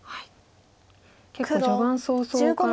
結構序盤早々から。